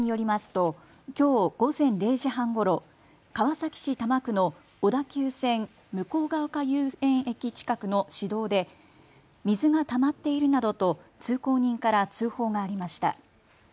ときょう午前０時半ごろ、川崎市多摩区の小田急線向ヶ丘遊園駅近くの市道で水がたまっているなどと通行人から通報がありました。